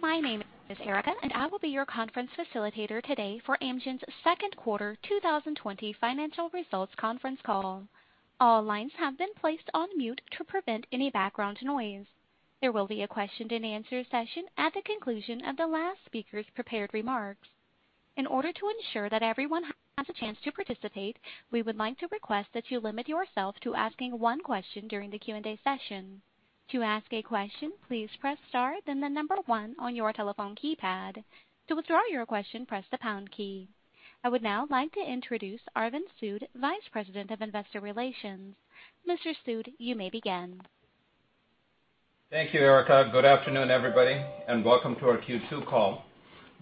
My name is Erica. I will be your conference facilitator today for Amgen's Second Quarter 2020 Financial Results Conference Call. All lines have been placed on mute to prevent any background noise. There will be a question-and-answer session at the conclusion of the last speaker's prepared remarks. In order to ensure that everyone has a chance to participate, we would like to request that you limit yourself to asking one question during the Q&A session. To ask a question, please press star then number one on your telephone keypad. To withdraw your question, press the pound key. I would now like to introduce Arvind Sood, Vice President of Investor Relations. Mr. Sood, you may begin. Thank you, Erica. Good afternoon, everybody, welcome to our Q2 call.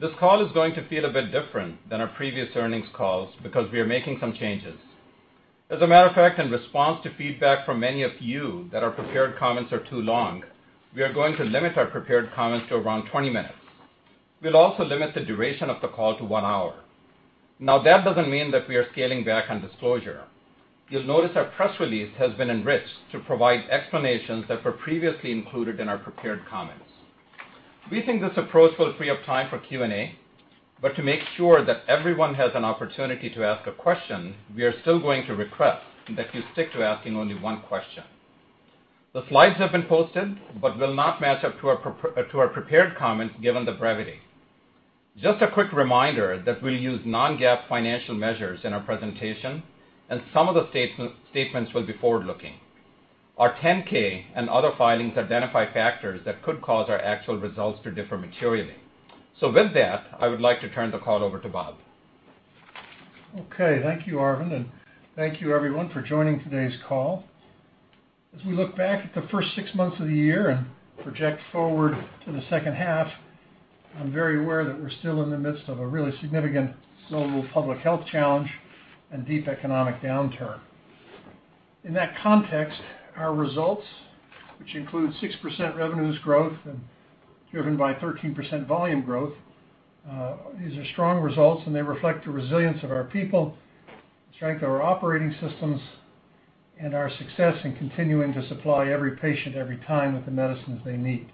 This call is going to feel a bit different than our previous earnings calls because we are making some changes. As a matter of fact, in response to feedback from many of you that our prepared comments are too long, we are going to limit our prepared comments to around 20 minutes. We'll also limit the duration of the call to one hour. That doesn't mean that we are scaling back on disclosure. You'll notice our press release has been enriched to provide explanations that were previously included in our prepared comments. We think this approach will free up time for Q&A, but to make sure that everyone has an opportunity to ask a question, we are still going to request that you stick to asking only one question. The slides have been posted but will not match up to our prepared comments given the brevity. Just a quick reminder that we'll use non-GAAP financial measures in our presentation and some of the statements will be forward-looking. Our 10-K and other filings identify factors that could cause our actual results to differ materially. With that, I would like to turn the call over to Bob. Okay. Thank you, Arvind, thank you everyone for joining today's call. As we look back at the first six months of the year and project forward to the second half, I'm very aware that we're still in the midst of a really significant global public health challenge and deep economic downturn. In that context, our results, which include 6% revenues growth and driven by 13% volume growth, these are strong results and they reflect the resilience of our people, the strength of our operating systems, and our success in continuing to supply every patient every time with the medicines they need.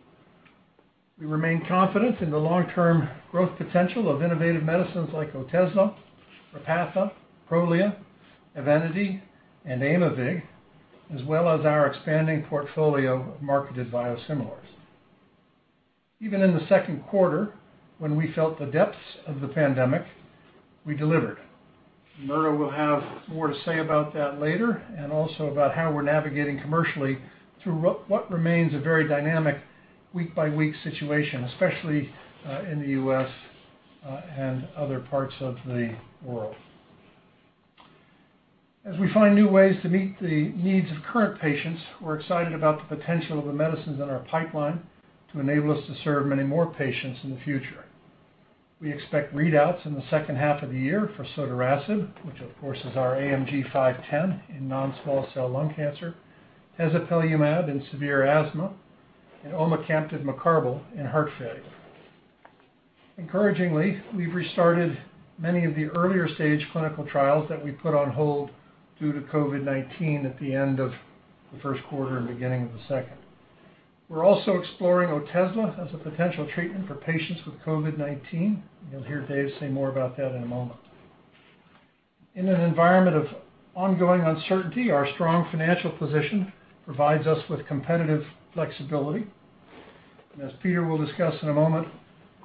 We remain confident in the long-term growth potential of innovative medicines like Otezla, Repatha, Prolia, EVENITY, and Aimovig, as well as our expanding portfolio of marketed biosimilars. Even in the second quarter, when we felt the depths of the pandemic, we delivered. Murdo will have more to say about that later, and also about how we're navigating commercially through what remains a very dynamic week-by-week situation, especially in the U.S. and other parts of the world. As we find new ways to meet the needs of current patients, we're excited about the potential of the medicines in our pipeline to enable us to serve many more patients in the future. We expect readouts in the second half of the year for sotorasib, which of course is our AMG 510 in non-small cell lung cancer, tezepelumab in severe asthma, and omecamtiv mecarbil in heart failure. Encouragingly, we've restarted many of the earlier stage clinical trials that we put on hold due to COVID-19 at the end of the first quarter and beginning of the second. We're also exploring Otezla as a potential treatment for patients with COVID-19, and you'll hear Dave say more about that in a moment. In an environment of ongoing uncertainty, our strong financial position provides us with competitive flexibility, and as Peter will discuss in a moment,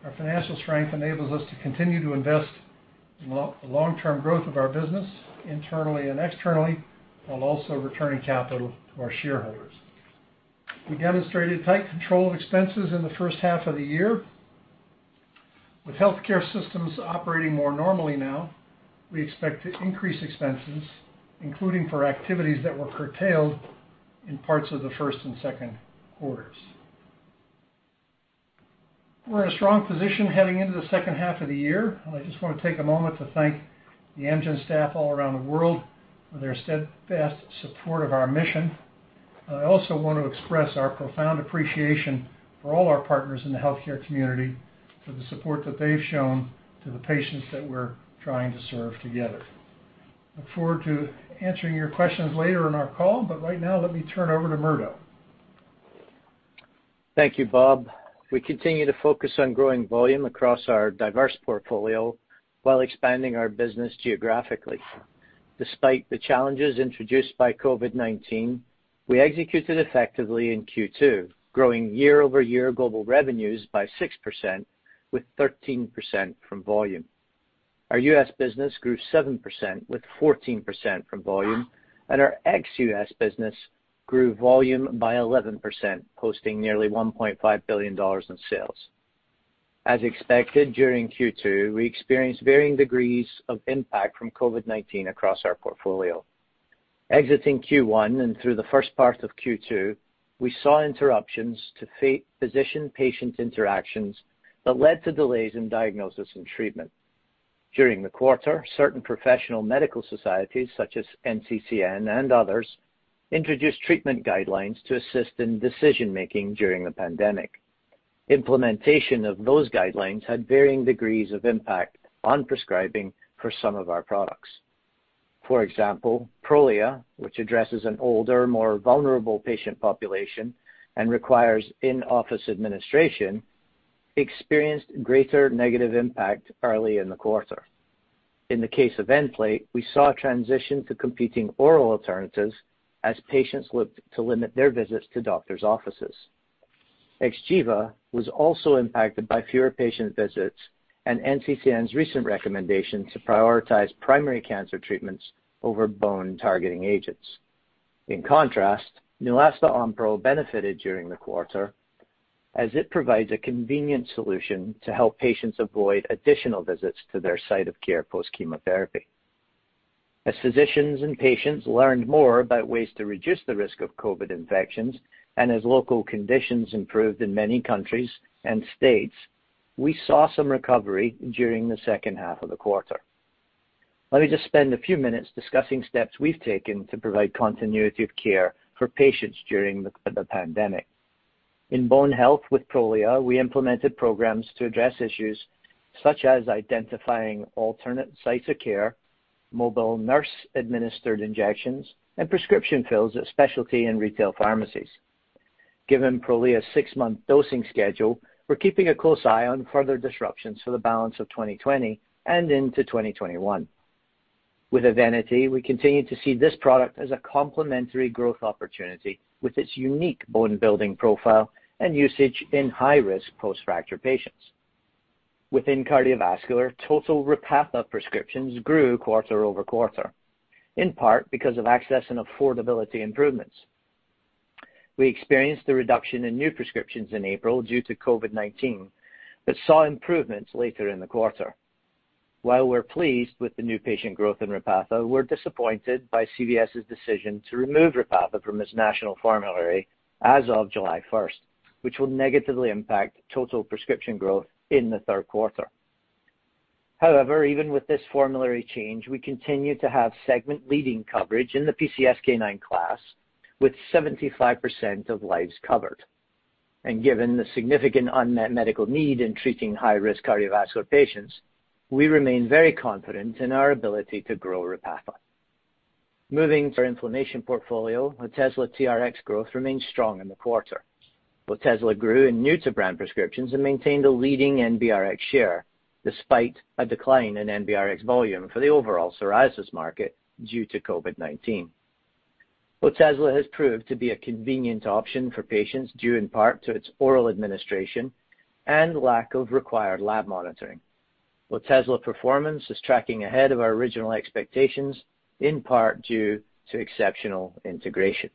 our financial strength enables us to continue to invest in the long-term growth of our business internally and externally, while also returning capital to our shareholders. We demonstrated tight control of expenses in the first half of the year. With healthcare systems operating more normally now, we expect to increase expenses, including for activities that were curtailed in parts of the first and second quarters. We're in a strong position heading into the second half of the year, and I just want to take a moment to thank the Amgen staff all around the world for their steadfast support of our mission. I also want to express our profound appreciation for all our partners in the healthcare community for the support that they've shown to the patients that we're trying to serve together. I look forward to answering your questions later in our call. Right now, let me turn it over to Murdo. Thank you, Bob. We continue to focus on growing volume across our diverse portfolio while expanding our business geographically. Despite the challenges introduced by COVID-19, we executed effectively in Q2, growing year-over-year global revenues by 6%, with 13% from volume. Our U.S. business grew 7% with 14% from volume, and our ex-U.S. business grew volume by 11%, posting nearly $1.5 billion in sales. As expected, during Q2, we experienced varying degrees of impact from COVID-19 across our portfolio. Exiting Q1 and through the first part of Q2, we saw interruptions to physician-patient interactions that led to delays in diagnosis and treatment. During the quarter, certain professional medical societies, such as NCCN and others, introduced treatment guidelines to assist in decision-making during the pandemic. Implementation of those guidelines had varying degrees of impact on prescribing for some of our products. For example, Prolia, which addresses an older, more vulnerable patient population and requires in-office administration, experienced greater negative impact early in the quarter. In the case of Nplate, we saw a transition to competing oral alternatives as patients looked to limit their visits to doctors' offices. XGEVA was also impacted by fewer patient visits and NCCN's recent recommendation to prioritize primary cancer treatments over bone-targeting agents. In contrast, Neulasta Onpro benefited during the quarter, as it provides a convenient solution to help patients avoid additional visits to their site of care post-chemotherapy. As physicians and patients learned more about ways to reduce the risk of COVID-19 infections, and as local conditions improved in many countries and states, we saw some recovery during the second half of the quarter. Let me just spend a few minutes discussing steps we've taken to provide continuity of care for patients during the pandemic. In bone health with Prolia, we implemented programs to address issues such as identifying alternate sites of care, mobile nurse-administered injections, and prescription fills at specialty and retail pharmacies. Given Prolia's six-month dosing schedule, we're keeping a close eye on further disruptions for the balance of 2020 and into 2021. With EVENITY, we continue to see this product as a complementary growth opportunity with its unique bone-building profile and usage in high-risk post-fracture patients. Within cardiovascular, total Repatha prescriptions grew quarter-over-quarter, in part because of access and affordability improvements. We experienced a reduction in new prescriptions in April due to COVID-19, but saw improvements later in the quarter. While we're pleased with the new patient growth in Repatha, we're disappointed by CVS's decision to remove Repatha from its national formulary as of July 1st, which will negatively impact total prescription growth in the third quarter. However, even with this formulary change, we continue to have segment-leading coverage in the PCSK9 class, with 75% of lives covered. Given the significant unmet medical need in treating high-risk cardiovascular patients, we remain very confident in our ability to grow Repatha. Moving to our inflammation portfolio, Otezla TRx growth remained strong in the quarter. Otezla grew in new-to-brand prescriptions and maintained a leading NBRX share, despite a decline in NBRX volume for the overall psoriasis market due to COVID-19. Otezla has proved to be a convenient option for patients due in part to its oral administration and lack of required lab monitoring. Otezla performance is tracking ahead of our original expectations, in part due to exceptional integration.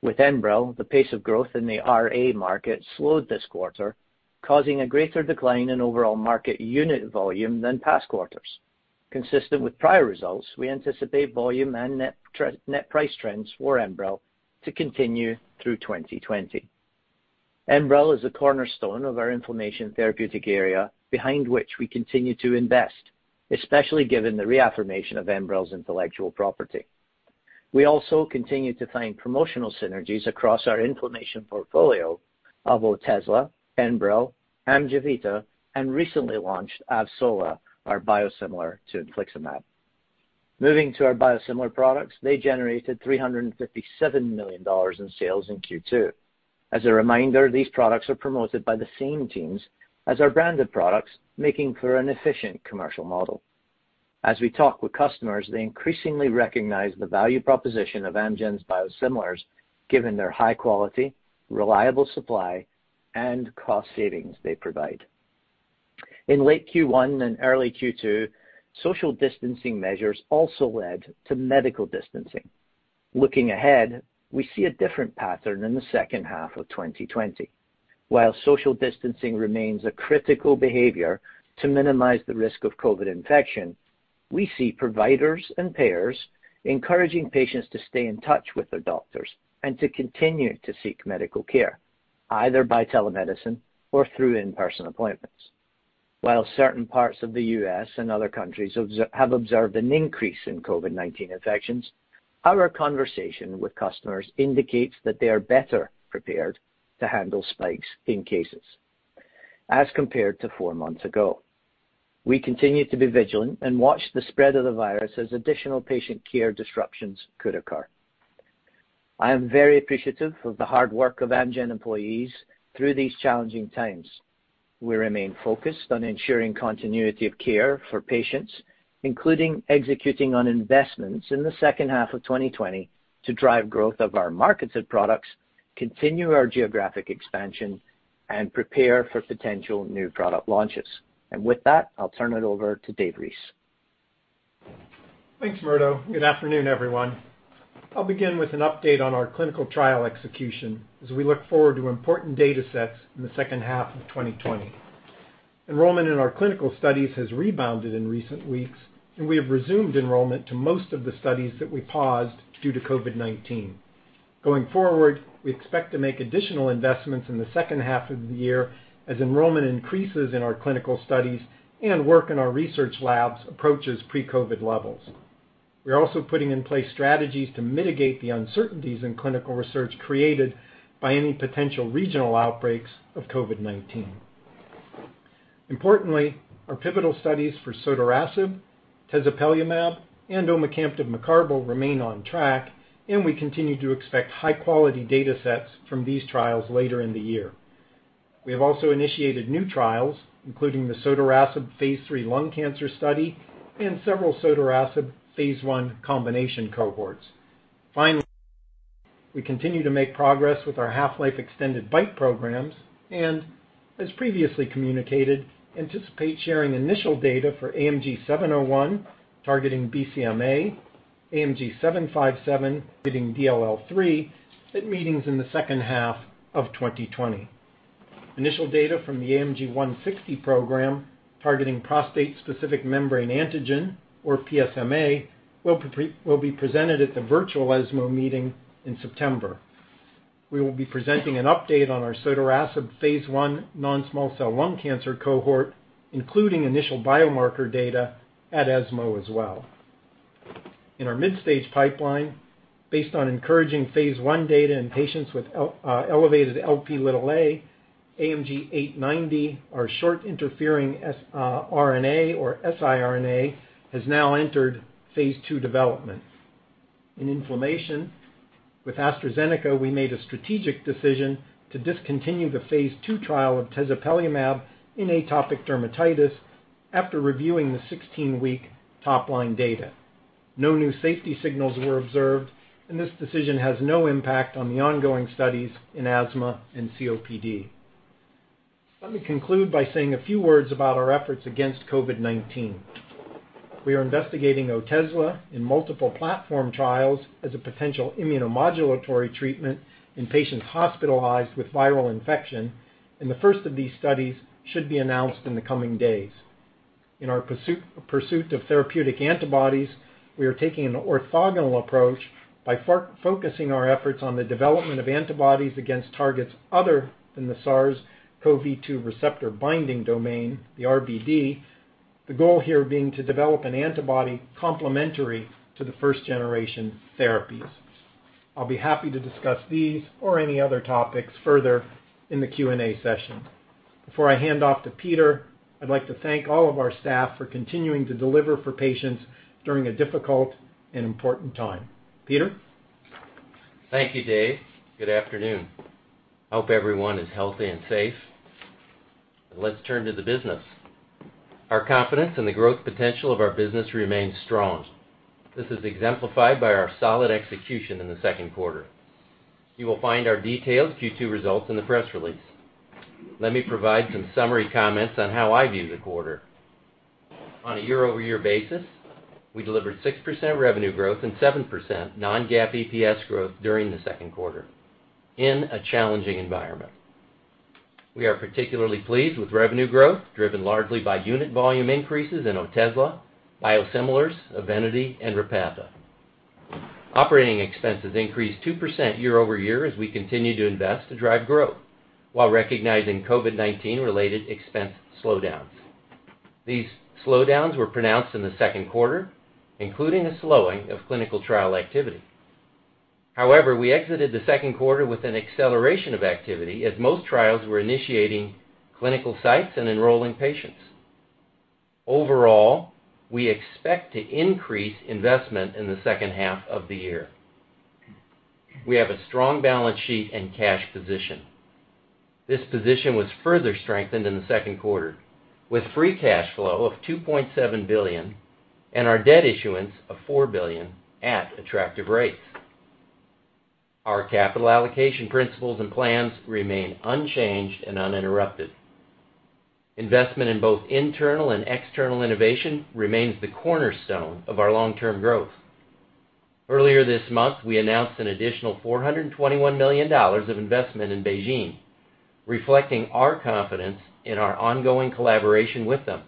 With Enbrel, the pace of growth in the RA market slowed this quarter, causing a greater decline in overall market unit volume than past quarters. Consistent with prior results, we anticipate volume and net price trends for Enbrel to continue through 2020. Enbrel is a cornerstone of our inflammation therapeutic area behind which we continue to invest, especially given the reaffirmation of Enbrel's intellectual property. We also continue to find promotional synergies across our inflammation portfolio of Otezla, Enbrel, AMGEVITA, and recently launched AVSOLA, our biosimilar to infliximab. Moving to our biosimilar products, they generated $357 million in sales in Q2. As a reminder, these products are promoted by the same teams as our branded products, making for an efficient commercial model. As we talk with customers, they increasingly recognize the value proposition of Amgen's biosimilars given their high quality, reliable supply, and cost savings they provide. In late Q1 and early Q2, social distancing measures also led to medical distancing. Looking ahead, we see a different pattern in the second half of 2020. While social distancing remains a critical behavior to minimize the risk of COVID-19 infection, we see providers and payers encouraging patients to stay in touch with their doctors and to continue to seek medical care, either by telemedicine or through in-person appointments. While certain parts of the U.S. and other countries have observed an increase in COVID-19 infections, our conversation with customers indicates that they are better prepared to handle spikes in cases as compared to four months ago. We continue to be vigilant and watch the spread of the virus as additional patient care disruptions could occur. I am very appreciative of the hard work of Amgen employees through these challenging times. We remain focused on ensuring continuity of care for patients, including executing on investments in the second half of 2020 to drive growth of our marketed products, continue our geographic expansion, and prepare for potential new product launches. With that, I'll turn it over to Dave Reese. Thanks, Murdo. Good afternoon, everyone. I'll begin with an update on our clinical trial execution as we look forward to important data sets in the second half of 2020. Enrollment in our clinical studies has rebounded in recent weeks, and we have resumed enrollment to most of the studies that we paused due to COVID-19. Going forward, we expect to make additional investments in the second half of the year as enrollment increases in our clinical studies and work in our research labs approaches pre-COVID levels. We are also putting in place strategies to mitigate the uncertainties in clinical research created by any potential regional outbreaks of COVID-19. Importantly, our pivotal studies for sotorasib, tezepelumab, and omecamtiv mecarbil remain on track, and we continue to expect high-quality data sets from these trials later in the year. We have also initiated new trials, including the sotorasib phase III lung cancer study and several sotorasib phase I combination cohorts. Finally, we continue to make progress with our half-life extended BiTE programs and, as previously communicated, anticipate sharing initial data for AMG 701, targeting BCMA, AMG 757 targeting DLL3 at meetings in the second half of 2020. Initial data from the AMG 160 program targeting prostate-specific membrane antigen, or PSMA, will be presented at the virtual ESMO meeting in September. We will be presenting an update on our sotorasib phase I non-small cell lung cancer cohort, including initial biomarker data at ESMO as well. In our mid-stage pipeline, based on encouraging phase I data in patients with elevated Lp(a), AMG 890, our short interfering RNA or siRNA, has now entered phase II development. In inflammation with AstraZeneca, we made a strategic decision to discontinue the phase II trial of tezepelumab in atopic dermatitis after reviewing the 16-week top-line data. No new safety signals were observed, and this decision has no impact on the ongoing studies in asthma and COPD. Let me conclude by saying a few words about our efforts against COVID-19. We are investigating Otezla in multiple platform trials as a potential immunomodulatory treatment in patients hospitalized with viral infection, and the first of these studies should be announced in the coming days. In our pursuit of therapeutic antibodies, we are taking an orthogonal approach by focusing our efforts on the development of antibodies against targets other than the SARS-CoV-2 receptor binding domain, the RBD, the goal here being to develop an antibody complementary to the first-generation therapies. I'll be happy to discuss these or any other topics further in the Q&A session. Before I hand off to Peter, I'd like to thank all of our staff for continuing to deliver for patients during a difficult and important time. Peter? Thank you, Dave. Good afternoon. Hope everyone is healthy and safe. Let's turn to the business. Our confidence in the growth potential of our business remains strong. This is exemplified by our solid execution in the second quarter. You will find our detailed Q2 results in the press release. Let me provide some summary comments on how I view the quarter. On a year-over-year basis, we delivered 6% revenue growth and 7% non-GAAP EPS growth during the second quarter in a challenging environment. We are particularly pleased with revenue growth driven largely by unit volume increases in Otezla, biosimilars, EVENITY, and Repatha. Operating expenses increased 2% year-over-year as we continue to invest to drive growth while recognizing COVID-19 related expense slowdowns. These slowdowns were pronounced in the second quarter, including a slowing of clinical trial activity. We exited the second quarter with an acceleration of activity as most trials were initiating clinical sites and enrolling patients. We expect to increase investment in the second half of the year. We have a strong balance sheet and cash position. This position was further strengthened in the second quarter with free cash flow of $2.7 billion and our debt issuance of $4 billion at attractive rates. Our capital allocation principles and plans remain unchanged and uninterrupted. Investment in both internal and external innovation remains the cornerstone of our long-term growth. Earlier this month, we announced an additional $421 million of investment in BeiGene, reflecting our confidence in our ongoing collaboration with them.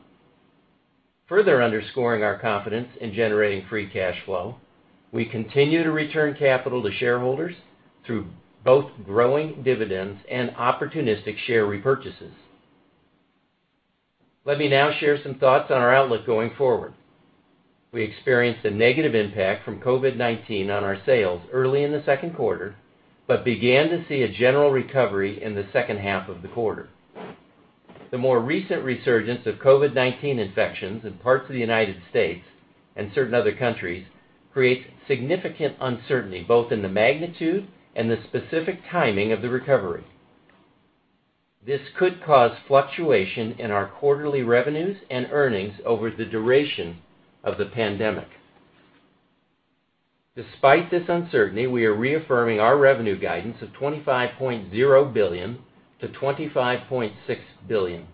Further underscoring our confidence in generating free cash flow, we continue to return capital to shareholders through both growing dividends and opportunistic share repurchases. Let me now share some thoughts on our outlook going forward. We experienced a negative impact from COVID-19 on our sales early in the second quarter, but began to see a general recovery in the second half of the quarter. The more recent resurgence of COVID-19 infections in parts of the United States and certain other countries creates significant uncertainty both in the magnitude and the specific timing of the recovery. This could cause fluctuation in our quarterly revenues and earnings over the duration of the pandemic. Despite this uncertainty, we are reaffirming our revenue guidance of $25.0 billion-$25.6 billion.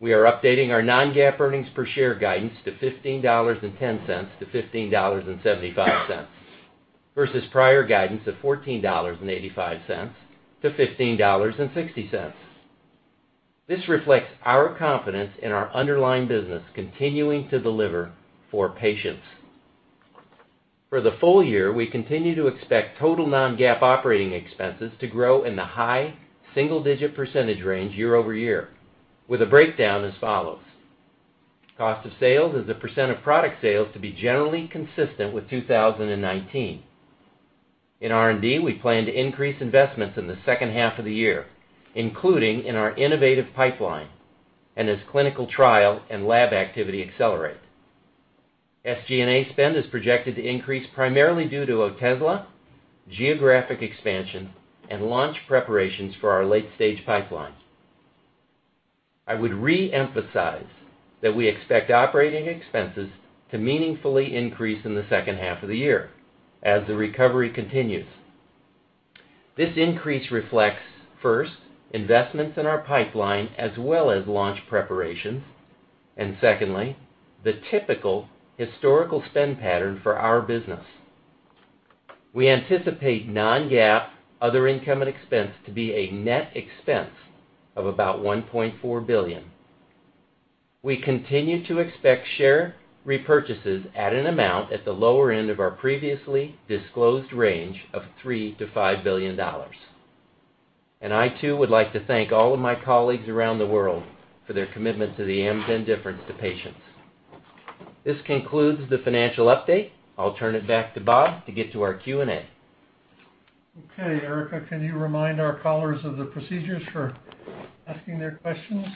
We are updating our non-GAAP earnings per share guidance to $15.10-$15.75 versus prior guidance of $14.85-$15.60. This reflects our confidence in our underlying business continuing to deliver for patients. For the full year, we continue to expect total non-GAAP operating expenses to grow in the high single-digit percentage range year-over-year with a breakdown as follows. Cost of sales as a percent of product sales to be generally consistent with 2019. In R&D, we plan to increase investments in the second half of the year, including in our innovative pipeline and as clinical trial and lab activity accelerate. SG&A spend is projected to increase primarily due to Otezla, geographic expansion, and launch preparations for our late-stage pipeline. I would re-emphasize that we expect operating expenses to meaningfully increase in the second half of the year as the recovery continues. This increase reflects, first, investments in our pipeline as well as launch preparations, and secondly, the typical historical spend pattern for our business. We anticipate non-GAAP other income and expense to be a net expense of about $1.4 billion. We continue to expect share repurchases at an amount at the lower end of our previously disclosed range of $3 billion-$5 billion. I, too, would like to thank all of my colleagues around the world for their commitment to the Amgen difference to patients. This concludes the financial update. I'll turn it back to Bob to get to our Q&A. Okay, Erica, can you remind our callers of the procedures for asking their questions?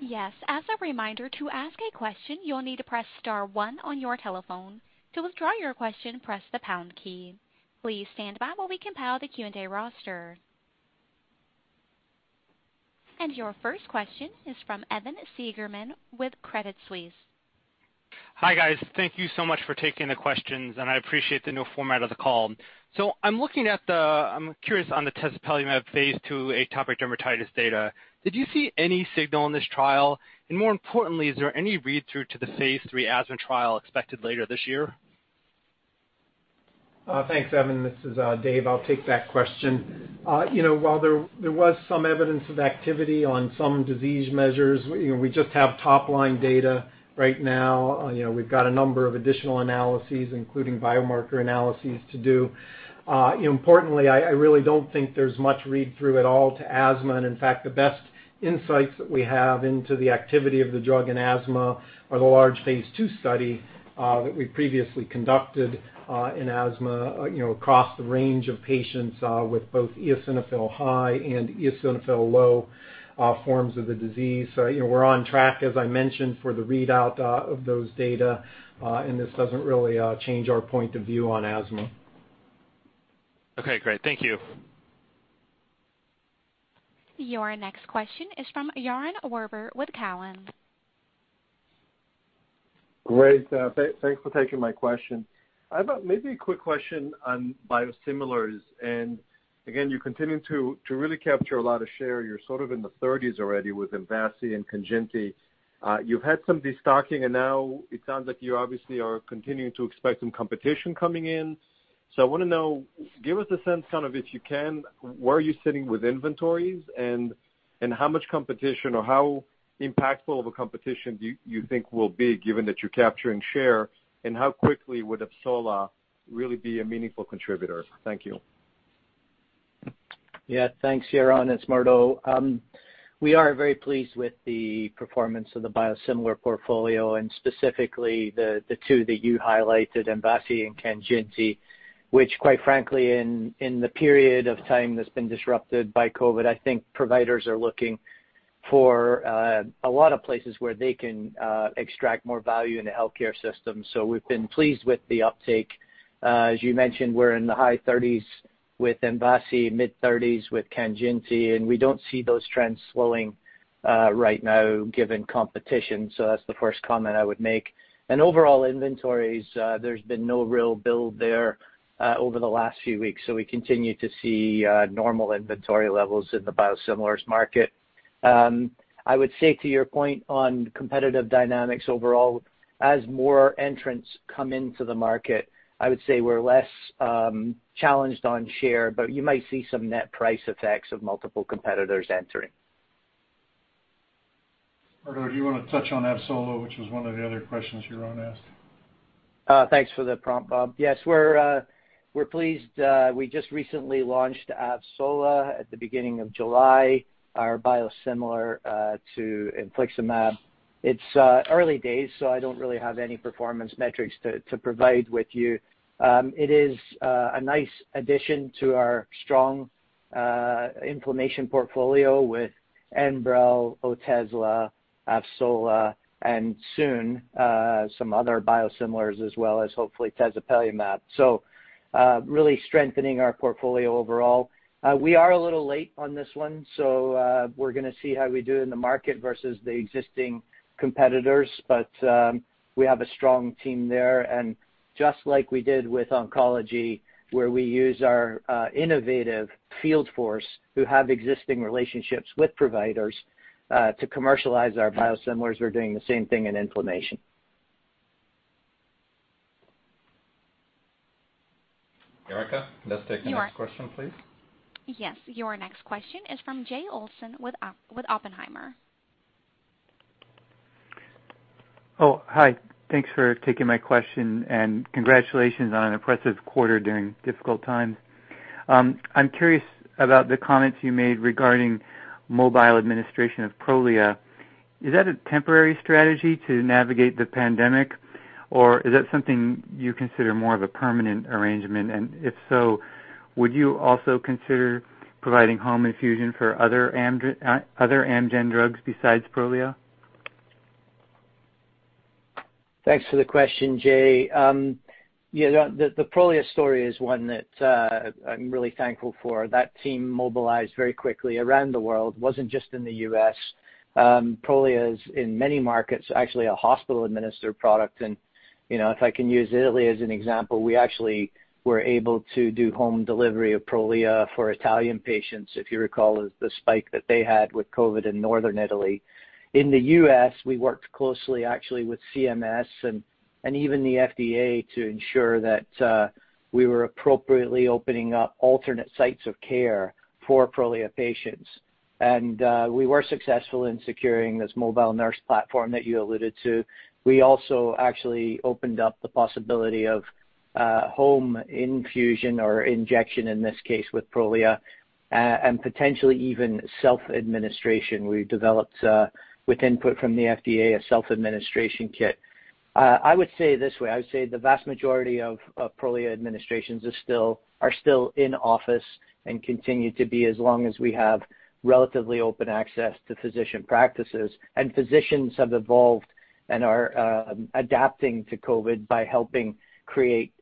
Yes. As a reminder, to ask a question, you will need to press star one on your telephone. To withdraw your question, press the pound key. Please stand by while we compile the Q&A roster. Your first question is from Evan Seigerman with Credit Suisse. Hi, guys. Thank you so much for taking the questions, and I appreciate the new format of the call. I'm curious on the tezepelumab phase II atopic dermatitis data. Did you see any signal in this trial? More importantly, is there any read-through to the phase III asthma trial expected later this year? Thanks, Evan. This is Dave. I'll take that question. While there was some evidence of activity on some disease measures, we just have top-line data right now. We've got a number of additional analyses, including biomarker analyses to do. Importantly, I really don't think there's much read-through at all to asthma. In fact, the best insights that we have into the activity of the drug in asthma are the large phase II study that we previously conducted in asthma across the range of patients with both eosinophil high and eosinophil low forms of the disease. We're on track, as I mentioned, for the readout of those data, and this doesn't really change our point of view on asthma. Okay, great. Thank you. Your next question is from Yaron Werber with Cowen. Great. Thanks for taking my question. I have maybe a quick question on biosimilars. Again, you continue to really capture a lot of share. You're sort of in the 30s already with MVASI and KANJINTI. You've had some destocking. Now it sounds like you obviously are continuing to expect some competition coming in. I want to know, give us a sense, if you can, where are you sitting with inventories, how much competition or how impactful of a competition do you think will be given that you're capturing share, how quickly would AVSOLA really be a meaningful contributor? Thank you. Yeah, thanks, Yaron. It's Murdo. We are very pleased with the performance of the biosimilar portfolio and specifically the two that you highlighted, MVASI and KANJINTI, which quite frankly, in the period of time that's been disrupted by COVID, I think providers are looking for a lot of places where they can extract more value in the healthcare system. We've been pleased with the uptake. As you mentioned, we're in the high 30s with MVASI, mid-30s with KANJINTI, and we don't see those trends slowing right now given competition. That's the first comment I would make. Overall inventories, there's been no real build there over the last few weeks. We continue to see normal inventory levels in the biosimilars market. I would say to your point on competitive dynamics overall, as more entrants come into the market, I would say we're less challenged on share, but you might see some net price effects of multiple competitors entering. Murdo, do you want to touch on AVSOLA, which was one of the other questions Yaron asked? Thanks for the prompt, Bob. Yes, we're pleased. We just recently launched AVSOLA at the beginning of July, our biosimilar to infliximab. It's early days. I don't really have any performance metrics to provide with you. It is a nice addition to our strong inflammation portfolio with Enbrel, Otezla, AVSOLA, and soon some other biosimilars as well as hopefully tezepelumab. Really strengthening our portfolio overall. We are a little late on this one, so we're going to see how we do in the market versus the existing competitors. We have a strong team there. Just like we did with oncology, where we use our innovative field force who have existing relationships with providers to commercialize our biosimilars, we're doing the same thing in inflammation. Erica, let's take the next question, please. Yes. Your next question is from Jay Olson with Oppenheimer. Oh, hi. Thanks for taking my question, and congratulations on an impressive quarter during difficult times. I'm curious about the comments you made regarding mobile administration of Prolia. Is that a temporary strategy to navigate the pandemic, or is that something you consider more of a permanent arrangement? If so, would you also consider providing home infusion for other Amgen drugs besides Prolia? Thanks for the question, Jay. The Prolia story is one that I'm really thankful for. That team mobilized very quickly around the world, wasn't just in the U.S. Prolia is, in many markets, actually a hospital-administered product. If I can use Italy as an example, we actually were able to do home delivery of Prolia for Italian patients, if you recall the spike that they had with COVID in Northern Italy. In the U.S., we worked closely actually with CMS and even the FDA to ensure that we were appropriately opening up alternate sites of care for Prolia patients. We were successful in securing this mobile nurse platform that you alluded to. We also actually opened up the possibility of home infusion or injection, in this case, with Prolia, and potentially even self-administration. We developed, with input from the FDA, a self-administration kit. I would say it this way, I would say the vast majority of Prolia administrations are still in office and continue to be as long as we have relatively open access to physician practices. Physicians have evolved and are adapting to COVID by helping create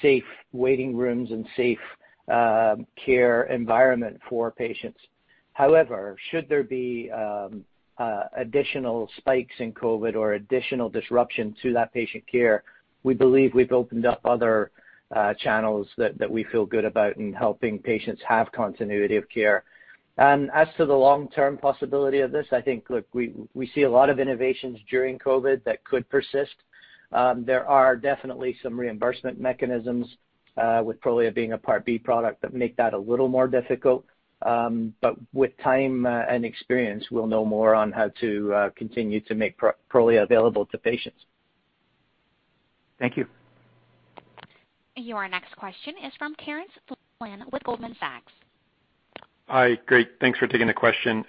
safe waiting rooms and safe care environment for patients. However, should there be additional spikes in COVID or additional disruption to that patient care, we believe we've opened up other channels that we feel good about in helping patients have continuity of care. As to the long-term possibility of this, I think, look, we see a lot of innovations during COVID that could persist. There are definitely some reimbursement mechanisms, with Prolia being a Part B product, that make that a little more difficult. With time and experience, we'll know more on how to continue to make Prolia available to patients. Thank you. Your next question is from Terence Flynn with Goldman Sachs. Hi. Great. Thanks for taking the question.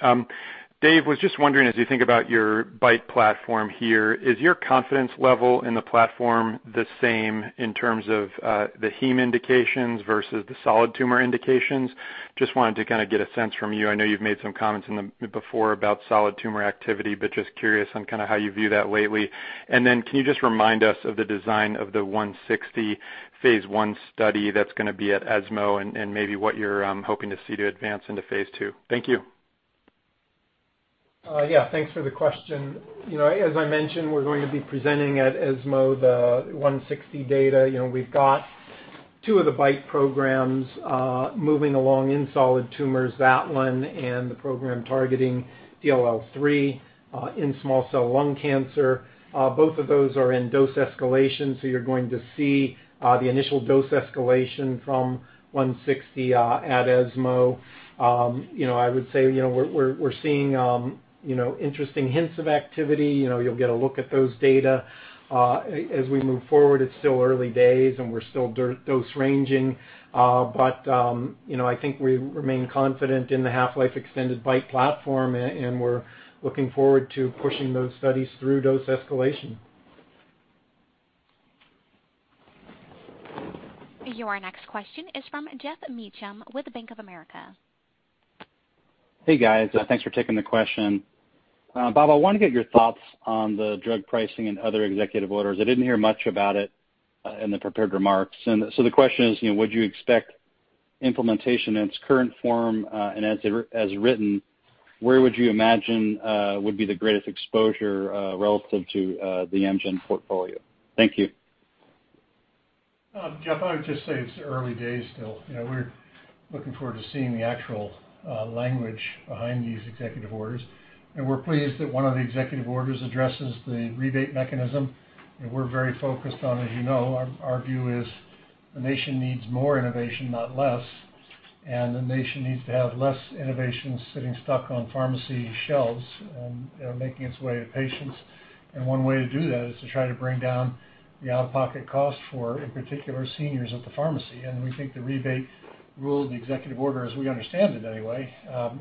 Dave, was just wondering, as you think about your BiTE platform here, is your confidence level in the platform the same in terms of the heme indications versus the solid tumor indications? Just wanted to kind of get a sense from you. I know you've made some comments before about solid tumor activity, but just curious on how you view that lately. Can you just remind us of the design of the 160 phase I study that's going to be at ESMO and maybe what you're hoping to see to advance into phase II? Thank you. Yeah. Thanks for the question. As I mentioned, we're going to be presenting at ESMO the 160 data. We've got two of the BiTE programs moving along in solid tumors, that one and the program targeting DLL3 in small cell lung cancer. Both of those are in dose escalation, you're going to see the initial dose escalation from 160 at ESMO. I would say we're seeing interesting hints of activity. You'll get a look at those data as we move forward. It's still early days, and we're still dose ranging. I think we remain confident in the half-life extended BiTE platform, and we're looking forward to pushing those studies through dose escalation. Your next question is from Geoff Meacham with Bank of America. Hey, guys. Thanks for taking the question. Bob, I want to get your thoughts on the drug pricing and other executive orders. I didn't hear much about it in the prepared remarks. The question is, would you expect implementation in its current form? As written, where would you imagine would be the greatest exposure relative to the Amgen portfolio? Thank you. Geoff, I would just say it's early days still. We're looking forward to seeing the actual language behind these executive orders. We're pleased that one of the executive orders addresses the rebate mechanism. We're very focused on, as you know, our view is the nation needs more innovation, not less, and the nation needs to have less innovation sitting stuck on pharmacy shelves than making its way to patients. One way to do that is to try to bring down the out-of-pocket cost for, in particular, seniors at the pharmacy. We think the rebate rule, the executive order, as we understand it anyway,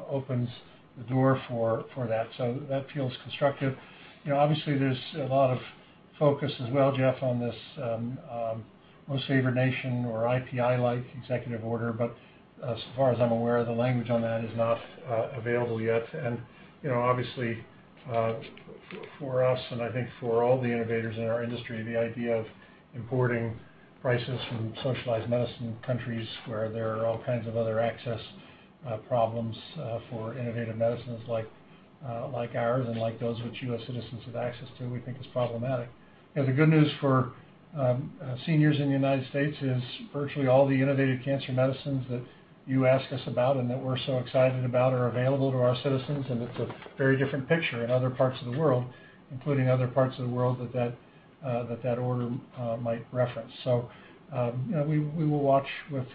opens the door for that. That feels constructive. Obviously, there's a lot of focus as well, Geoff, on this most favored nation or IPI-like executive order. As far as I'm aware, the language on that is not available yet. Obviously, for us, and I think for all the innovators in our industry, the idea of importing prices from socialized medicine countries where there are all kinds of other access problems for innovative medicines like ours and like those which U.S. citizens have access to, we think is problematic. The good news for seniors in the United States is virtually all the innovative cancer medicines that you ask us about and that we're so excited about are available to our citizens, and it's a very different picture in other parts of the world, including other parts of the world that that order might reference. We will watch with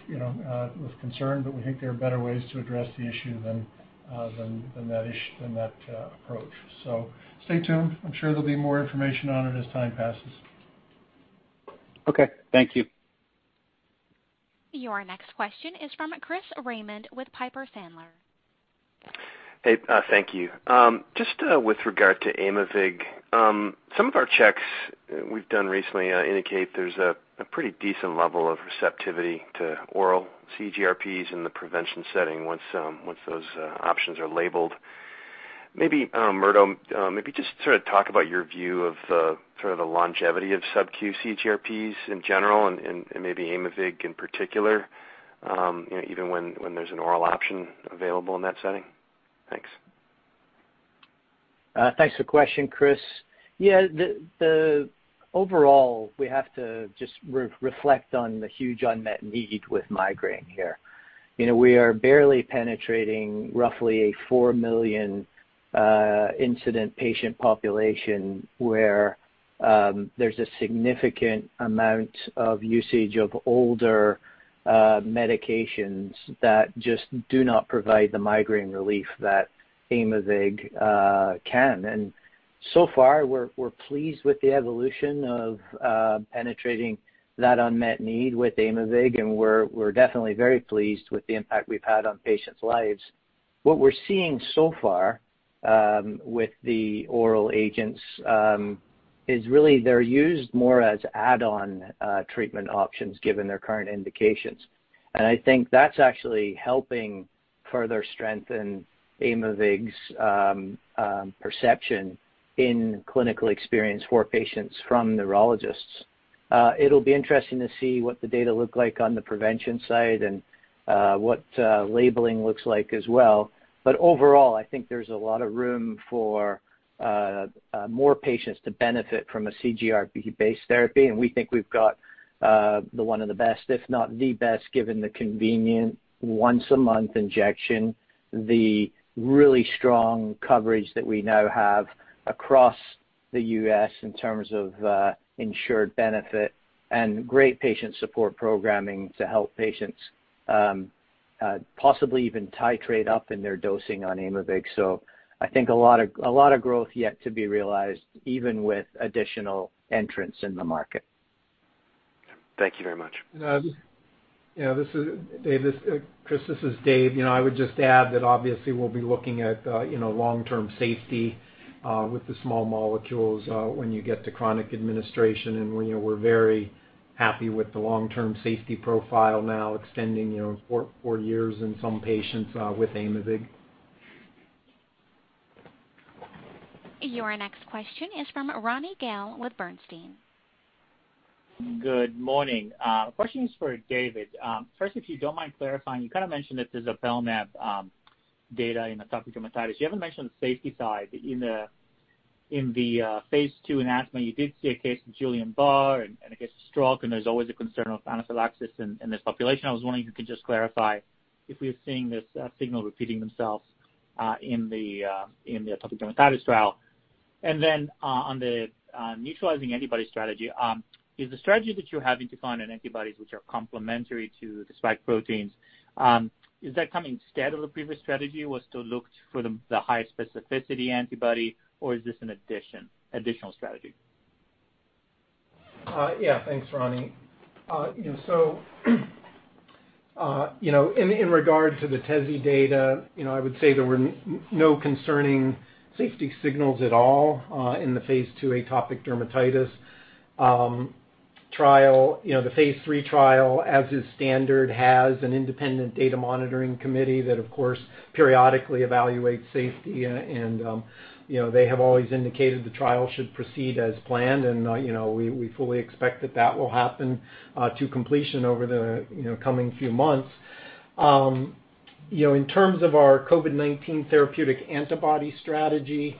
concern, but we think there are better ways to address the issue than that approach. Stay tuned. I'm sure there'll be more information on it as time passes. Okay, thank you. Your next question is from Chris Raymond with Piper Sandler. Hey, thank you. Just with regard to Aimovig, some of our checks we've done recently indicate there's a pretty decent level of receptivity to oral CGRPs in the prevention setting once those options are labeled. Murdo, maybe just sort of talk about your view of the sort of the longevity of subQ CGRPs in general and maybe Aimovig in particular, even when there's an oral option available in that setting. Thanks. Thanks for the question, Chris. Yeah, overall, we have to just reflect on the huge unmet need with migraine here. We are barely penetrating roughly 4 million incident patient population where there's a significant amount of usage of older medications that just do not provide the migraine relief that Aimovig can. So far, we're pleased with the evolution of penetrating that unmet need with Aimovig, and we're definitely very pleased with the impact we've had on patients' lives. What we're seeing so far with the oral agents is really they're used more as add-on treatment options given their current indications. I think that's actually helping further strengthen Aimovig's perception in clinical experience for patients from neurologists. It'll be interesting to see what the data look like on the prevention side and what labeling looks like as well. Overall, I think there's a lot of room for more patients to benefit from a CGRP-based therapy, and we think we've got the one of the best, if not the best, given the convenient once-a-month injection, the really strong coverage that we now have across the U.S. in terms of insured benefit and great patient support programming to help patients possibly even titrate up in their dosing on Aimovig. I think a lot of growth yet to be realized, even with additional entrants in the market. Thank you very much. Yeah, Chris, this is Dave. I would just add that obviously we'll be looking at long-term safety with the small molecules when you get to chronic administration, and we're very happy with the long-term safety profile now extending four years in some patients with Aimovig. Your next question is from Ronny Gal with Bernstein. Good morning. Question is for Dave. First, if you don't mind clarifying, you kind of mentioned that the tezepelumab data in atopic dermatitis. You haven't mentioned the safety side in the phase II announcement. You did see a case of Guillain-Barré and a case of stroke, and there's always a concern of anaphylaxis in this population. I was wondering if you could just clarify if we are seeing this signal repeating themselves in the atopic dermatitis trial. Then on the neutralizing antibody strategy, is the strategy that you're having to find an antibody which are complementary to the spike proteins, is that coming instead of the previous strategy was to look for the highest specificity antibody, or is this an additional strategy? Thanks, Ronny. In regard to the teze data, I would say there were no concerning safety signals at all in the phase II atopic dermatitis trial. The phase III trial, as is standard, has an independent data monitoring committee that, of course, periodically evaluates safety. They have always indicated the trial should proceed as planned, and we fully expect that that will happen to completion over the coming few months. In terms of our COVID-19 therapeutic antibody strategy,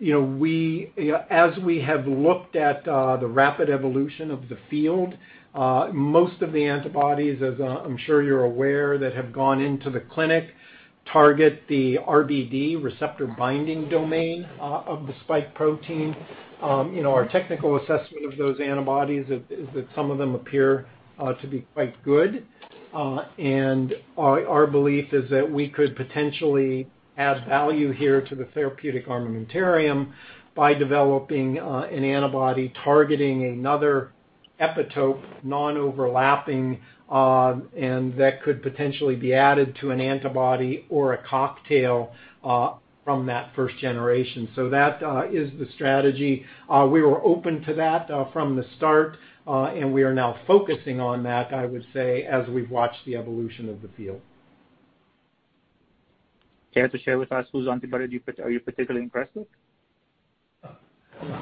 as we have looked at the rapid evolution of the field, most of the antibodies, as I'm sure you're aware, that have gone into the clinic target the RBD, receptor binding domain, of the spike protein. Our technical assessment of those antibodies is that some of them appear to be quite good. Our belief is that we could potentially add value here to the therapeutic armamentarium by developing an antibody targeting another epitope non-overlapping, and that could potentially be added to an antibody or a cocktail from that first generation. That is the strategy. We were open to that from the start, and we are now focusing on that, I would say, as we've watched the evolution of the field. Care to share with us whose antibody are you particularly impressed with?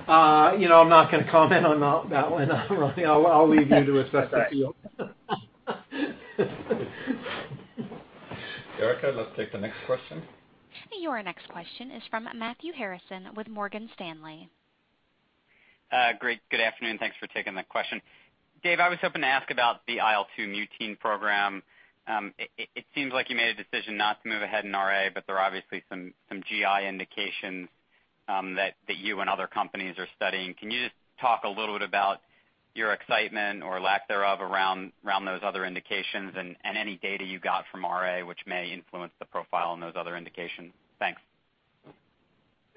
I'm not going to comment on that one, Ronny. I'll leave you to assess that for you. Erica, let's take the next question. Your next question is from Matthew Harrison with Morgan Stanley. Great. Good afternoon. Thanks for taking the question. Dave, I was hoping to ask about the IL-2 mutein program. It seems like you made a decision not to move ahead in RA, but there are obviously some GI indications that you and other companies are studying. Can you just talk a little bit about your excitement or lack thereof around those other indications and any data you got from RA which may influence the profile on those other indications? Thanks.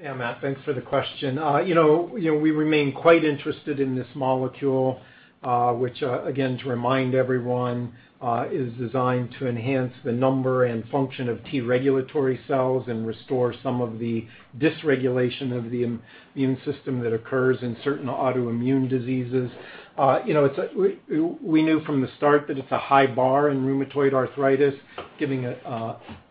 Yeah, Matt, thanks for the question. We remain quite interested in this molecule which, again, to remind everyone, is designed to enhance the number and function of T regulatory cells and restore some of the dysregulation of the immune system that occurs in certain autoimmune diseases. We knew from the start that it's a high bar in rheumatoid arthritis, given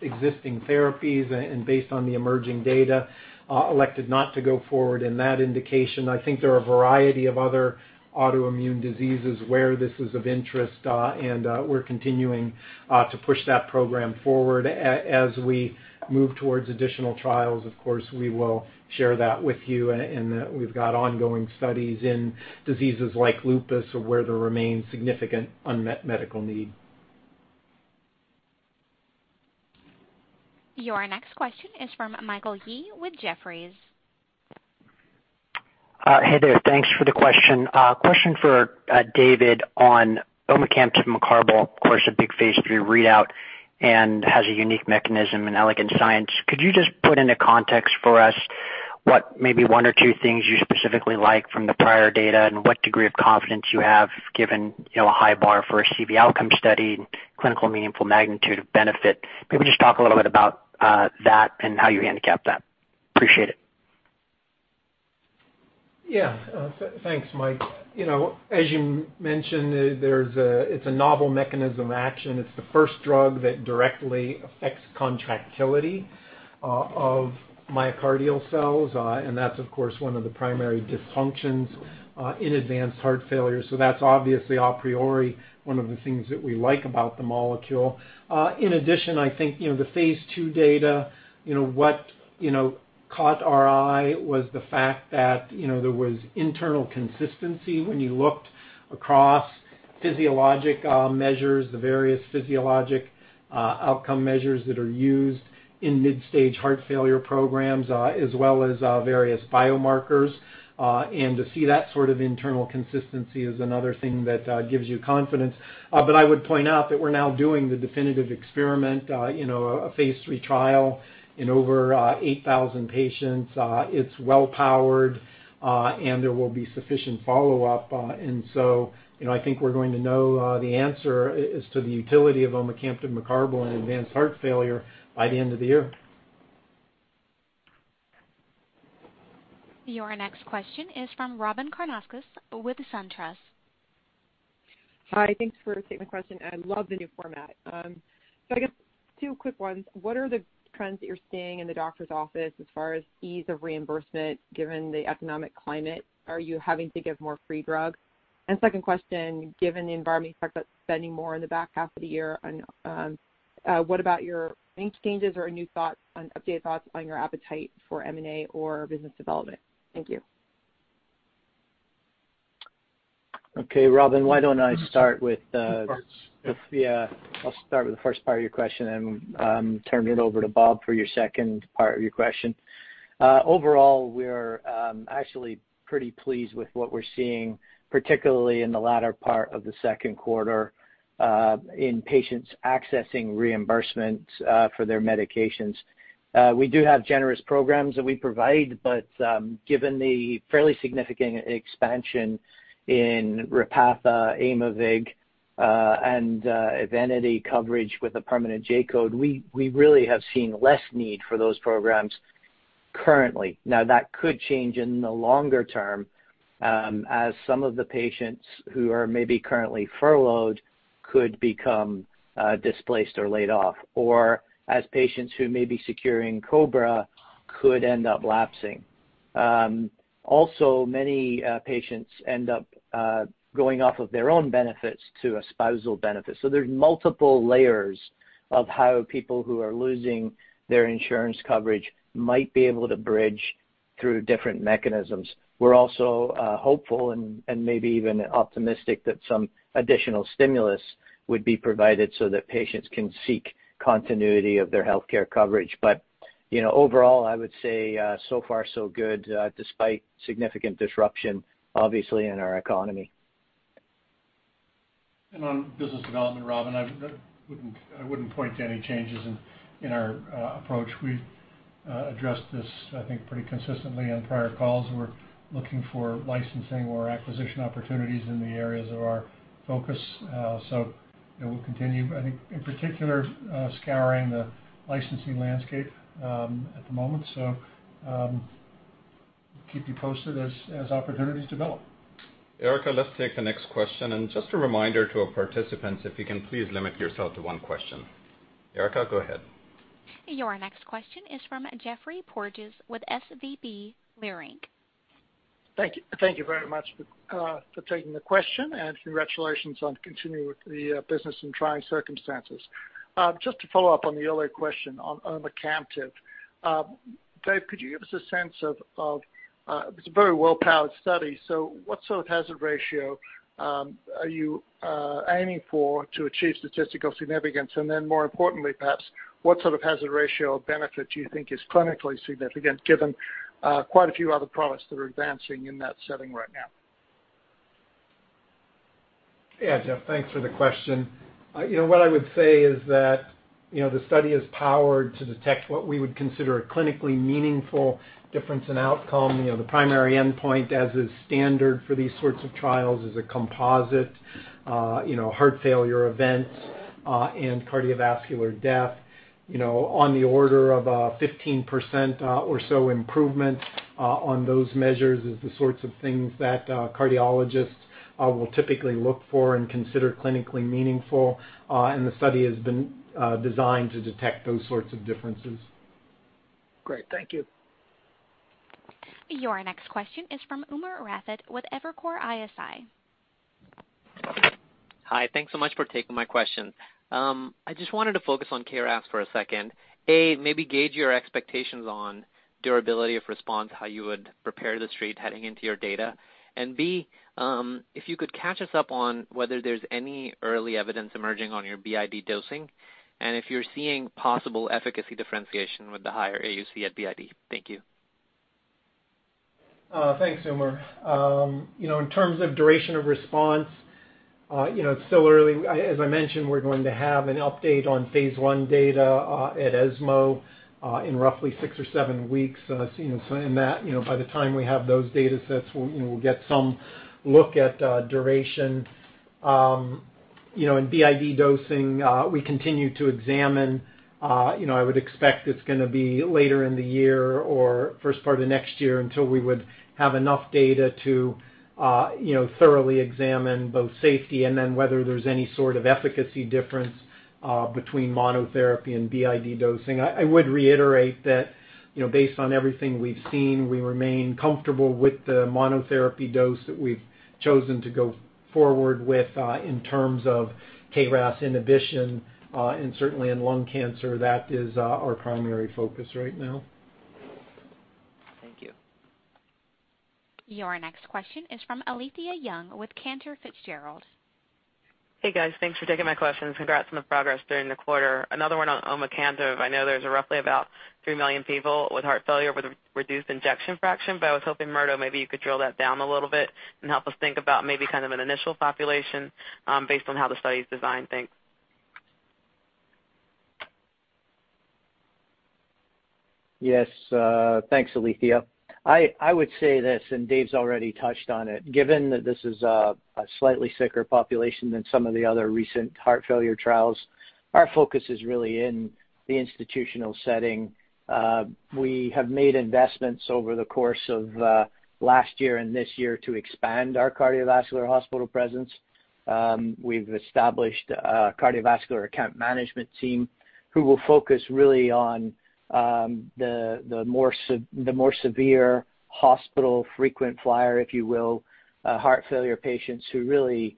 existing therapies, and based on the emerging data, elected not to go forward in that indication. I think there are a variety of other autoimmune diseases where this is of interest, and we're continuing to push that program forward. As we move towards additional trials, of course, we will share that with you in that we've got ongoing studies in diseases like lupus or where there remains significant unmet medical need. Your next question is from Michael Yee with Jefferies. Hey there. Thanks for the question. Question for David on omecamtiv mecarbil. Of course, a big phase III readout and has a unique mechanism in elegant science. Could you just put into context for us what maybe one or two things you specifically like from the prior data and what degree of confidence you have given a high bar for a CV outcome study and clinical meaningful magnitude of benefit? Maybe just talk a little bit about that and how you handicap that. Appreciate it. Thanks, Mike. As you mentioned, it's a novel mechanism action. It's the first drug that directly affects contractility of myocardial cells, and that's of course one of the primary dysfunctions in advanced heart failure. That's obviously a priori, one of the things that we like about the molecule. In addition, I think, the phase II data, what caught our eye was the fact that there was internal consistency when you looked across physiologic measures, the various physiologic outcome measures that are used in mid-stage heart failure programs, as well as various biomarkers. To see that sort of internal consistency is another thing that gives you confidence. I would point out that we're now doing the definitive experiment, a phase III trial in over 8,000 patients. It's well powered, and there will be sufficient follow-up. I think we're going to know the answer as to the utility of omecamtiv mecarbil in advanced heart failure by the end of the year. Your next question is from Robyn Karnauskas with SunTrust. Hi. Thanks for taking the question. I love the new format. I guess two quick ones. What are the trends that you're seeing in the doctor's office as far as ease of reimbursement given the economic climate? Are you having to give more free drugs? Second question, given the environment effect that spending more in the back half of the year, what about your exchanges or new thoughts on updated thoughts on your appetite for M&A or business development? Thank you. Okay, Robyn, why don't I start with. Yeah. I'll start with the first part of your question and turn it over to Bob for your second part of your question. Overall, we're actually pretty pleased with what we're seeing, particularly in the latter part of the second quarter, in patients accessing reimbursement for their medications. We do have generous programs that we provide, but given the fairly significant expansion in Repatha, Aimovig, and EVENITY coverage with a permanent J-code, we really have seen less need for those programs currently. Now, that could change in the longer term, as some of the patients who are maybe currently furloughed could become displaced or laid off. As patients who may be securing COBRA could end up lapsing. Also, many patients end up going off of their own benefits to a spousal benefit. There's multiple layers of how people who are losing their insurance coverage might be able to bridge through different mechanisms. We're also hopeful and maybe even optimistic that some additional stimulus would be provided so that patients can seek continuity of their healthcare coverage. Overall, I would say so far so good, despite significant disruption, obviously, in our economy. On business development, Robyn, I wouldn't point to any changes in our approach. We've addressed this, I think, pretty consistently on prior calls. We're looking for licensing or acquisition opportunities in the areas of our focus. We'll continue, I think, in particular, scouring the licensing landscape at the moment. Keep you posted as opportunities develop. Erica, let's take the next question. Just a reminder to our participants, if you can please limit yourself to one question. Erica, go ahead. Your next question is from Geoffrey Porges with SVB Leerink. Thank you very much for taking the question, and congratulations on continuing with the business in trying circumstances. Just to follow up on the earlier question on omecamtiv. Dave, could you give us a sense of, it's a very well-powered study, so what sort of hazard ratio are you aiming for to achieve statistical significance? More importantly, perhaps, what sort of hazard ratio of benefit do you think is clinically significant given quite a few other products that are advancing in that setting right now? Geoff, thanks for the question. What I would say is that the study is powered to detect what we would consider a clinically meaningful difference in outcome. The primary endpoint, as is standard for these sorts of trials, is a composite heart failure event and cardiovascular death. On the order of a 15% or so improvement on those measures is the sorts of things that cardiologists will typically look for and consider clinically meaningful. The study has been designed to detect those sorts of differences. Great. Thank you. Your next question is from Umer Raffat with Evercore ISI. Hi. Thanks so much for taking my question. I just wanted to focus on KRAS for a second. A, maybe gauge your expectations on durability of response, how you would prepare the street heading into your data. B, if you could catch us up on whether there's any early evidence emerging on your BID dosing and if you're seeing possible efficacy differentiation with the higher AUC at BID. Thank you. Thanks, Umer. In terms of duration of response, it's still early. As I mentioned, we're going to have an update on phase I data at ESMO in roughly six or seven weeks. In that, by the time we have those datasets, we'll get some look at duration. In BID dosing, we continue to examine. I would expect it's going to be later in the year or first part of next year until we would have enough data to thoroughly examine both safety and then whether there's any sort of efficacy difference between monotherapy and BID dosing. I would reiterate that based on everything we've seen, we remain comfortable with the monotherapy dose that we've chosen to go forward with in terms of KRAS inhibition. Certainly in lung cancer, that is our primary focus right now. Thank you. Your next question is from Alethia Young with Cantor Fitzgerald. Hey, guys. Thanks for taking my questions. Congrats on the progress during the quarter. Another one on omecamtiv. I know there's roughly about 3 million people with heart failure with a reduced ejection fraction, I was hoping, Murdo, maybe you could drill that down a little bit and help us think about maybe kind of an initial population based on how the study is designed. Thanks. Thanks, Alethia. I would say this, and Dave's already touched on it. Given that this is a slightly sicker population than some of the other recent heart failure trials, our focus is really in the institutional setting. We have made investments over the course of last year and this year to expand our cardiovascular hospital presence. We've established a cardiovascular account management team who will focus really on the more severe hospital frequent flyer, if you will, heart failure patients who really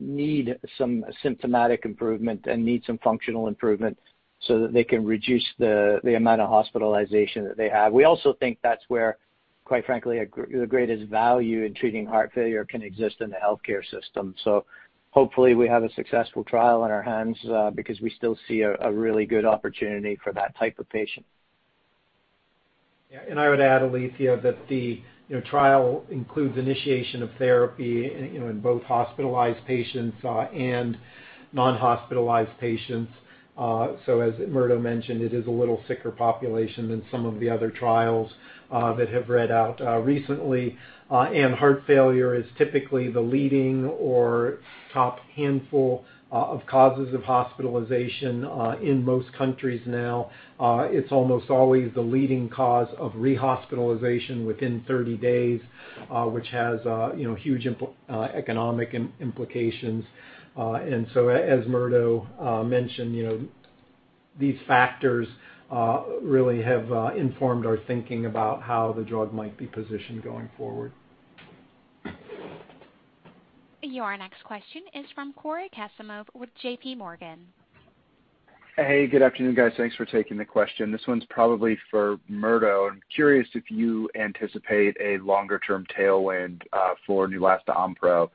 need some symptomatic improvement and need some functional improvement so that they can reduce the amount of hospitalization that they have. We also think that's where, quite frankly, the greatest value in treating heart failure can exist in the healthcare system. Hopefully we have a successful trial on our hands because we still see a really good opportunity for that type of patient. I would add, Alethia, that the trial includes initiation of therapy in both hospitalized patients and non-hospitalized patients. As Murdo mentioned, it is a little sicker population than some of the other trials that have read out recently. Heart failure is typically the leading or top handful of causes of hospitalization in most countries now. It's almost always the leading cause of rehospitalization within 30 days, which has huge economic implications. As Murdo mentioned, these factors really have informed our thinking about how the drug might be positioned going forward. Your next question is from Cory Kasimov with JPMorgan. Hey, good afternoon, guys. Thanks for taking the question. This one's probably for Murdo. I'm curious if you anticipate a longer-term tailwind for Neulasta Onpro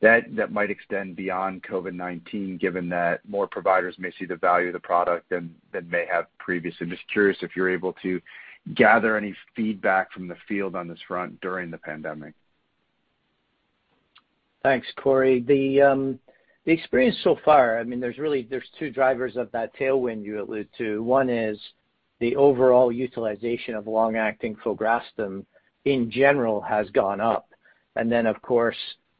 that might extend beyond COVID-19, given that more providers may see the value of the product than may have previously. I'm just curious if you're able to gather any feedback from the field on this front during the pandemic. Thanks, Cory. The experience so far, there's two drivers of that tailwind you allude to. One is the overall utilization of long-acting filgrastim in general has gone up.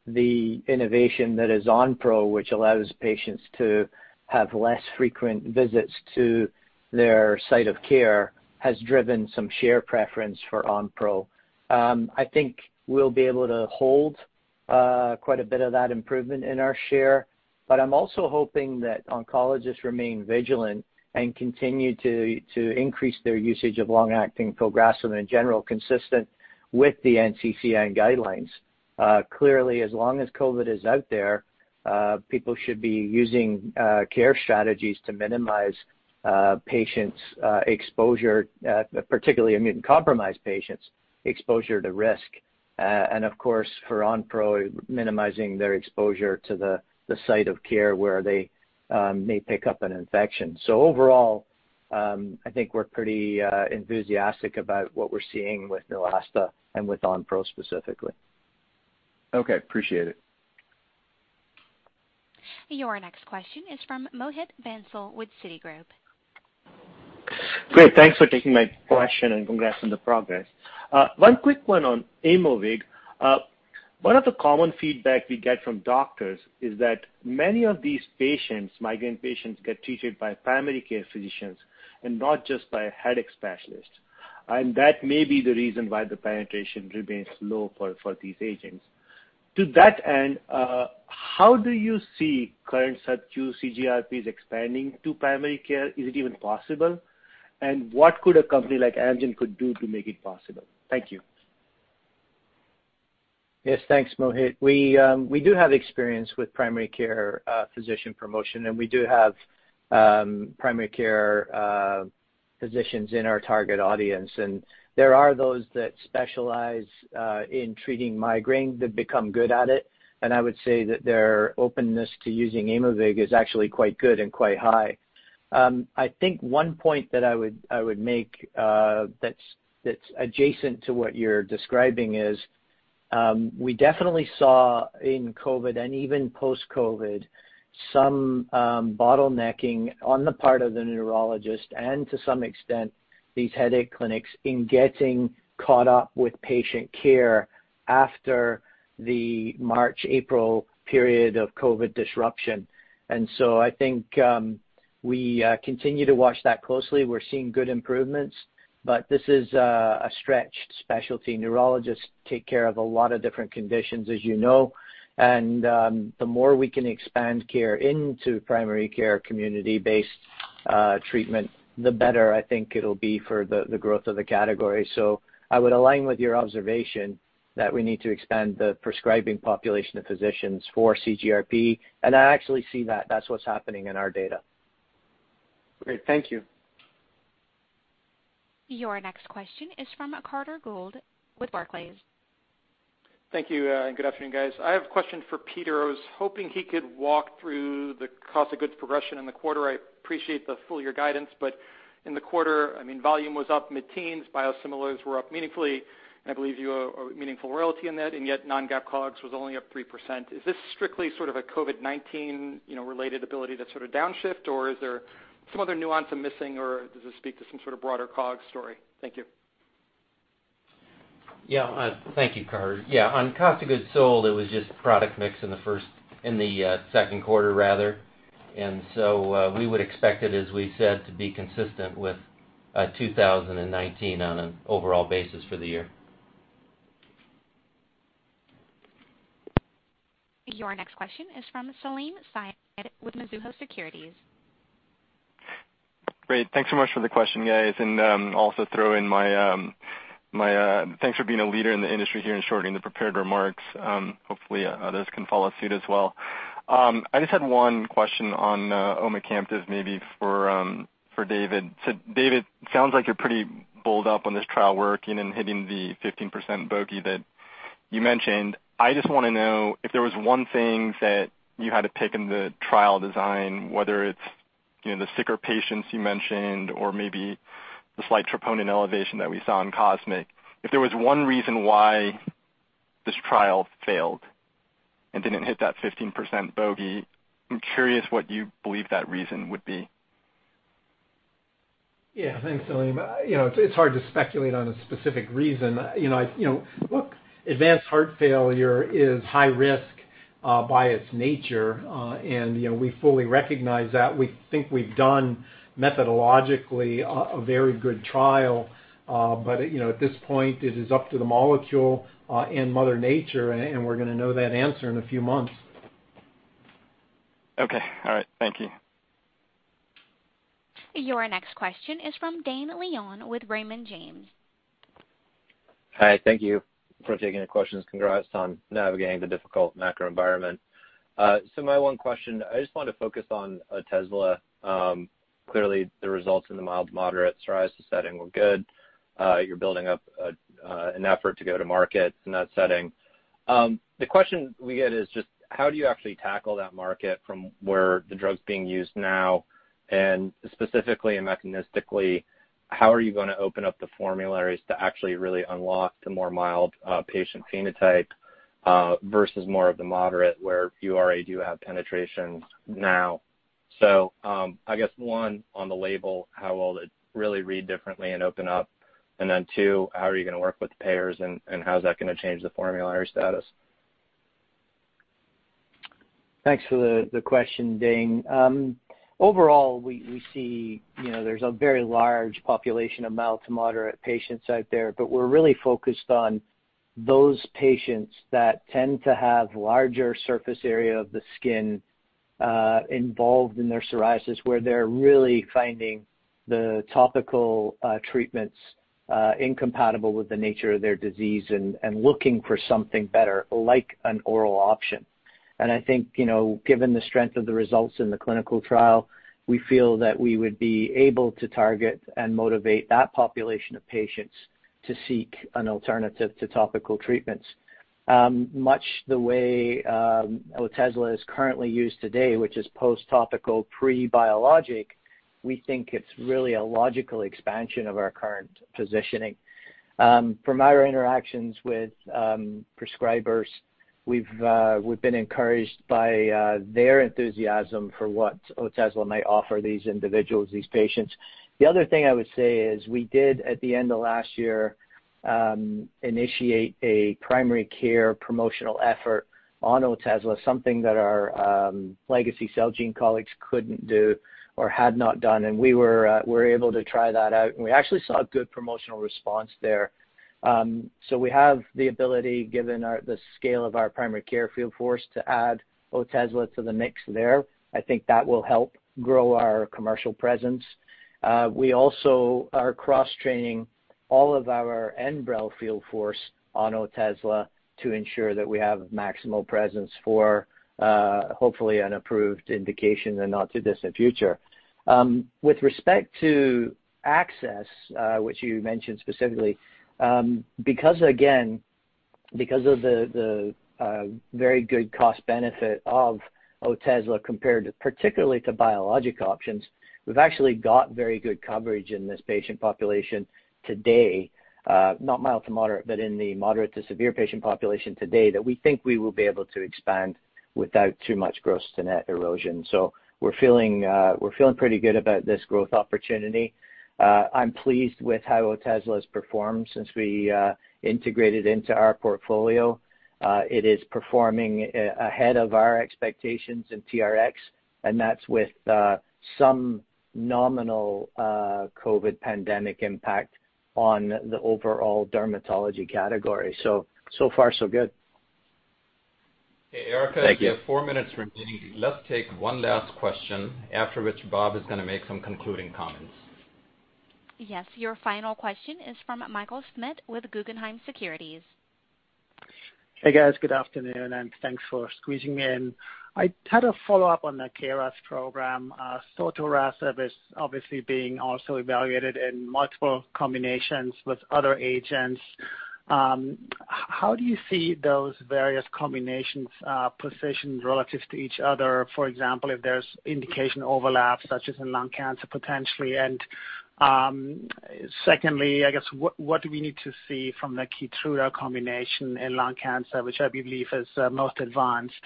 The innovation that is Onpro, which allows patients to have less frequent visits to their site of care, has driven some share preference for Onpro. I think we'll be able to hold quite a bit of that improvement in our share. I'm also hoping that oncologists remain vigilant and continue to increase their usage of long-acting filgrastim in general, consistent with the NCCN guidelines. As long as COVID is out there, people should be using care strategies to minimize patients' exposure, particularly immunocompromised patients' exposure to risk. For Onpro, minimizing their exposure to the site of care where they may pick up an infection. Overall, I think we're pretty enthusiastic about what we're seeing with Neulasta and with Onpro specifically. Okay. Appreciate it. Your next question is from Mohit Bansal with Citigroup. Great. Thanks for taking my question, and congrats on the progress. One quick one on Aimovig. One of the common feedback we get from doctors is that many of these migraine patients get treated by primary care physicians and not just by a headache specialist. That may be the reason why the penetration remains low for these agents. To that end, how do you see current subcu CGRPs expanding to primary care? Is it even possible? What could a company like Amgen could do to make it possible? Thank you. Yes. Thanks, Mohit. We do have experience with primary care physician promotion, we do have primary care physicians in our target audience. There are those that specialize in treating migraine that become good at it, and I would say that their openness to using Aimovig is actually quite good and quite high. I think one point that I would make that's adjacent to what you're describing is, we definitely saw in COVID, and even post-COVID, some bottlenecking on the part of the neurologist and to some extent, these headache clinics in getting caught up with patient care after the March, April period of COVID disruption. I think we continue to watch that closely. We're seeing good improvements, but this is a stretched specialty. Neurologists take care of a lot of different conditions, as you know, the more we can expand care into primary care community-based treatment, the better I think it'll be for the growth of the category. I would align with your observation that we need to expand the prescribing population of physicians for CGRP. I actually see that that's what's happening in our data. Great. Thank you. Your next question is from Carter Gould with Barclays. Thank you. Good afternoon, guys. I have a question for Peter. I was hoping he could walk through the cost of goods progression in the quarter. I appreciate the full year guidance, but in the quarter, volume was up mid-teens, biosimilars were up meaningfully, and I believe you owe a meaningful royalty in that, and yet non-GAAP COGS was only up 3%. Is this strictly sort of a COVID-19 related ability to sort of downshift, or is there some other nuance I'm missing or does this speak to some sort of broader COGS story? Thank you. Thank you, Carter. On cost of goods sold, it was just product mix in the second quarter. We would expect it, as we said, to be consistent with 2019 on an overall basis for the year. Your next question is from Salim Syed with Mizuho Securities. Great. Thanks so much for the question, guys, and also throw in my thanks for being a leader in the industry here in shortening the prepared remarks. Hopefully others can follow suit as well. I just had one question on omecamtiv, maybe for David. David, sounds like you're pretty bulled up on this trial working and hitting the 15% bogey that you mentioned. I just want to know if there was one thing that you had to pick in the trial design, whether it's the sicker patients you mentioned or maybe the slight troponin elevation that we saw in COSMIC-HF. If there was one reason why this trial failed and didn't hit that 15% bogey, I'm curious what you believe that reason would be. Yeah. Thanks, Salim. It's hard to speculate on a specific reason. Look, advanced heart failure is high risk by its nature, and we fully recognize that. We think we've done methodologically a very good trial. At this point, it is up to the molecule and mother nature, and we're going to know that answer in a few months. Okay. All right. Thank you. Your next question is from Dane Leone with Raymond James. Hi. Thank you for taking the questions. Congrats on navigating the difficult macro environment. My one question, I just wanted to focus on Otezla. Clearly the results in the mild to moderate psoriasis setting were good. You're building up an effort to go to market in that setting. The question we get is just how do you actually tackle that market from where the drug's being used now, and specifically and mechanistically, how are you going to open up the formularies to actually really unlock the more mild patient phenotype versus more of the moderate where you already do have penetration now. I guess one, on the label, how will it really read differently and open up? Two, how are you going to work with payers and how is that going to change the formulary status? Thanks for the question, Dane. Overall, we see there's a very large population of mild to moderate patients out there, but we're really focused on those patients that tend to have larger surface area of the skin involved in their psoriasis, where they're really finding the topical treatments incompatible with the nature of their disease and looking for something better, like an oral option. I think, given the strength of the results in the clinical trial, we feel that we would be able to target and motivate that population of patients to seek an alternative to topical treatments. Much the way Otezla is currently used today, which is post-topical, pre-biologic, we think it's really a logical expansion of our current positioning. From our interactions with prescribers, we've been encouraged by their enthusiasm for what Otezla might offer these individuals, these patients. The other thing I would say is we did, at the end of last year, initiate a primary care promotional effort on Otezla, something that our legacy Celgene colleagues couldn't do or had not done, and we were able to try that out, and we actually saw a good promotional response there. We have the ability, given the scale of our primary care field force, to add Otezla to the mix there. I think that will help grow our commercial presence. We also are cross-training all of our Enbrel field force on Otezla to ensure that we have maximal presence for, hopefully, an approved indication in the not-too-distant future. With respect to access, which you mentioned specifically, because of the very good cost benefit of Otezla particularly to biologic options, we've actually got very good coverage in this patient population today, not mild to moderate, but in the moderate to severe patient population today, that we think we will be able to expand without too much gross-to-net erosion. We're feeling pretty good about this growth opportunity. I'm pleased with how Otezla has performed since we integrated into our portfolio. It is performing ahead of our expectations in TRx, and that's with some nominal COVID-19 pandemic impact on the overall dermatology category. So far so good. Hey, Erica. Thank you. We have four minutes remaining. Let's take one last question, after which Bob is going to make some concluding comments. Yes. Your final question is from Michael Schmidt with Guggenheim Securities. Hey, guys. Good afternoon, thanks for squeezing me in. I had a follow-up on the KRAS program. Sotorasib is obviously being also evaluated in multiple combinations with other agents. How do you see those various combinations positioned relative to each other? For example, if there's indication overlap, such as in lung cancer, potentially. Secondly, I guess, what do we need to see from the KEYTRUDA combination in lung cancer, which I believe is most advanced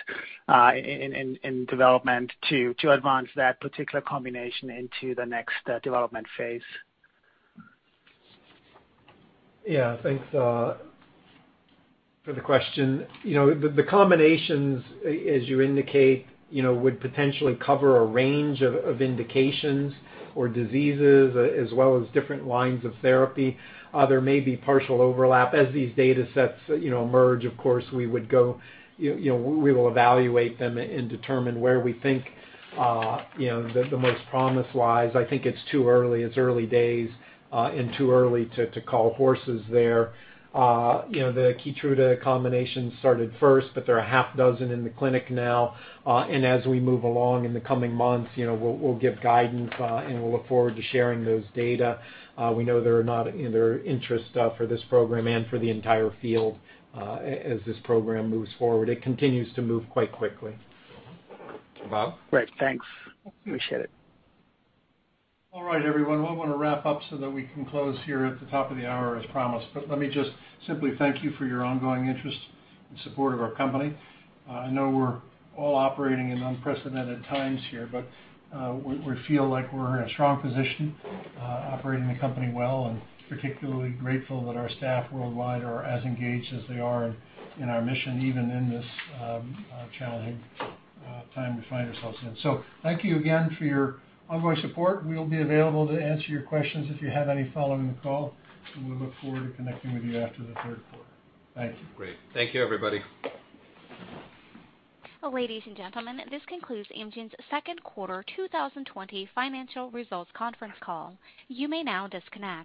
in development, to advance that particular combination into the next development phase? Yeah. Thanks for the question. The combinations, as you indicate, would potentially cover a range of indications or diseases, as well as different lines of therapy. There may be partial overlap. As these datasets emerge, of course, we will evaluate them and determine where we think the most promise lies. I think it's too early. It's early days and too early to call horses there. The KEYTRUDA combination started first. There are a half dozen in the clinic now. As we move along in the coming months, we'll give guidance, and we'll look forward to sharing those data. We know there is interest for this program and for the entire field as this program moves forward. It continues to move quite quickly. Bob? Great. Thanks. Appreciate it. All right, everyone, well, I'm going to wrap up so that we can close here at the top of the hour as promised. Let me just simply thank you for your ongoing interest and support of our company. I know we're all operating in unprecedented times here, but we feel like we're in a strong position, operating the company well, and particularly grateful that our staff worldwide are as engaged as they are in our mission, even in this challenging time we find ourselves in. Thank you again for your ongoing support. We'll be available to answer your questions if you have any following the call, and we look forward to connecting with you after the third quarter. Thank you. Great. Thank you, everybody. Ladies and gentlemen, this concludes Amgen's second quarter 2020 financial results conference call. You may now disconnect.